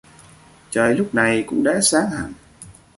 Trời lúc này cũng đã sáng hẳn